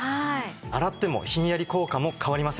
洗ってもひんやり効果も変わりません。